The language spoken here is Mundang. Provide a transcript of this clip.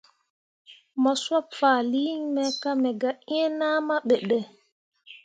Mo sob fahlii nyi me ka me ga eẽ nahma be ɗə.